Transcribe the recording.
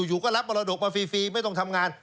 อยู่ก็รับมรดกมาฟรีไม่ต้องทำงาน